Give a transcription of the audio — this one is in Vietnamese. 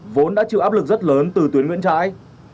vốn đã chịu áp lực rất lớn từ tuyến nguyễn trãi